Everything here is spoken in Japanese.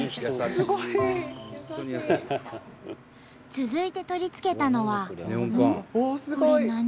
続いて取り付けたのはうん？